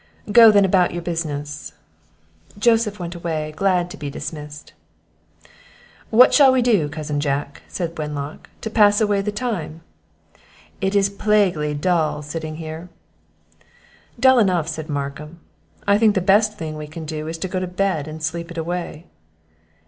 "Go, then, about your business." Joseph went away, glad to be dismissed. "What shall we do, cousin Jack," said Wenlock, "to pass away the time? it is plaguy dull sitting here." "Dull enough," said Markham, "I think the best thing we can do, is to go to bed and sleep it away."